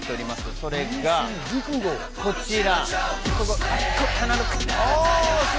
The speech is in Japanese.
それがこちら。